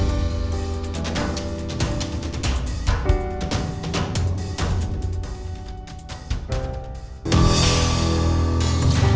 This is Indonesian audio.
oh uang gaji saat